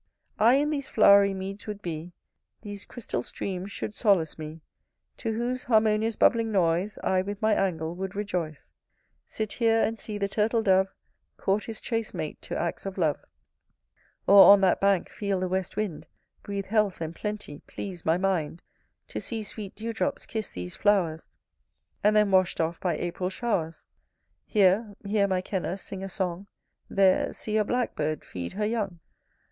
I in these flowery meads would be: These crystal streams should solace me; To whose harmonious bubbling noise I with my Angle would rejoice: Sit here, and see the turtle dove Court his chaste mate to acts of love: Or, on that bank, feel the west wind Breathe health and plenty: please my mind, To see sweet dew drops kiss these flowers, And then washed off by April showers: Here, hear my Kenna sing a song; There, see a blackbird feed her young.